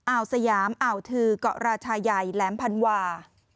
อ่าวสยามอ่าวถือเกาะราชายัยแหลมพันวา